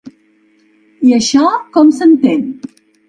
I això com s’entén?